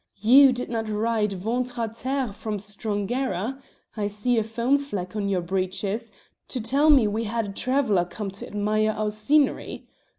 You did not ride ventre à terre from Strongara (I see a foam fleck on your breeches) to tell me we had a traveller come to admire our scenery?